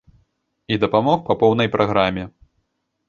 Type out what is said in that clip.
І дапамог па поўнай праграме.